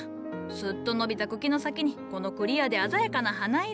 スッと伸びた茎の先にこのクリアで鮮やかな花色。